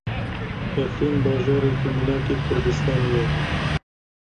Efrîn bajarekî mînak ê Kurdistanê ye.